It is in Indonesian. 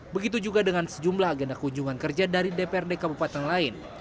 begitu juga dengan sejumlah agenda kunjungan kerja dari dprd kabupaten lain